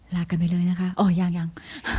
ลากันไปเลยนะคะอ๋อยังยัง